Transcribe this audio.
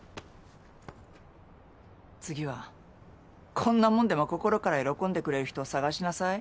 次はこんなもんでも心から喜んでくれる人を探しなさい。